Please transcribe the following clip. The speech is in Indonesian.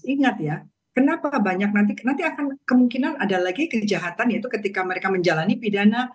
ingat ya kenapa banyak nanti akan kemungkinan ada lagi kejahatan yaitu ketika mereka menjalani pidana